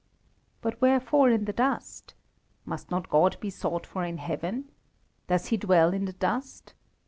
But wherefore in the dust? Must not God be sought for in heaven? Does He dwell in the dust?